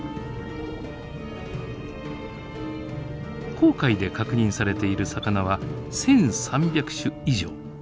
紅海で確認されている魚は１，３００種以上。